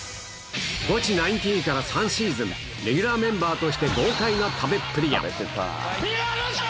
ゴチ１９から３シーズン、レギュラーメンバーとして豪快な食べっぷりや。